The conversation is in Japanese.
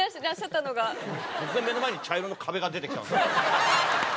突然目の前に茶色の壁が出てきたんですよね。